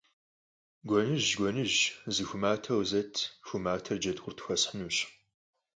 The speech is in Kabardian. Гуэныжь, гуэныжь, зы ху матэ къызэт, ху матэр Джэдкъурт хуэсхьынущ.